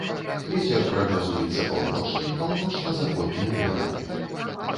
Вецер прагназуецца паўночны, паўночна-заходні ўмераны.